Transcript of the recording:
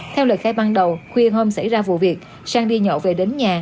theo lời khai ban đầu khuya hôm xảy ra vụ việc sang đi nhậu về đến nhà